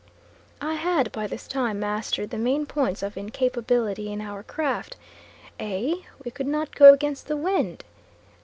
I had by this time mastered the main points of incapability in our craft. A. we could not go against the wind.